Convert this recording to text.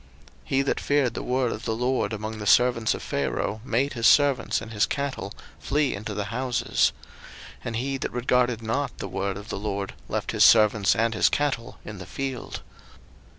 02:009:020 He that feared the word of the LORD among the servants of Pharaoh made his servants and his cattle flee into the houses: 02:009:021 And he that regarded not the word of the LORD left his servants and his cattle in the field.